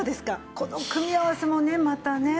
この組み合わせもねまたね。